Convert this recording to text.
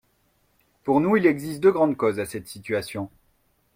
Pour nous, il existe deux grandes causes à cette situation.